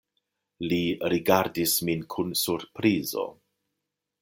Li rigardis min kun surprizo.